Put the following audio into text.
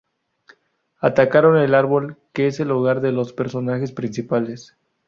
Atacaron el árbol que es el hogar de los personajes principales.